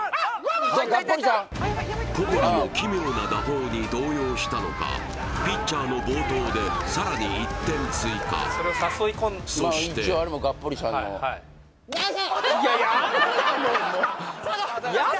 暴投小堀の奇妙な打法に動揺したのかピッチャーの暴投でさらに１点追加そして・ナイス！